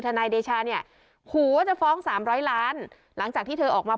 นายเดชาเนี่ยขู่ว่าจะฟ้องสามร้อยล้านหลังจากที่เธอออกมา